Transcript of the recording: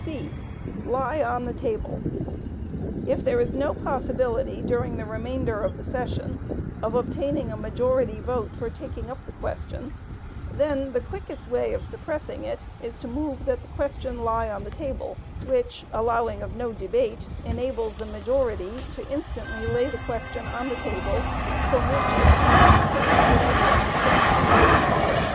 (c) Lie on the table. If there is no possibility during the remainder of the session of obtaining a majority vote for taking up the question, then the quickest way of suppressing it is to move "that the question lie on the table;" which, allowing of no debate, enables the majority to instantly lay the question on the table, from which it cannot be taken without their consent.